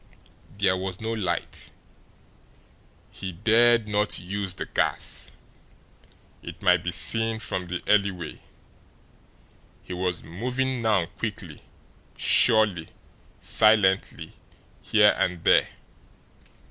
There was no light. He dared not use the gas; it might be seen from the alleyway. He was moving now quickly, surely, silently here and there.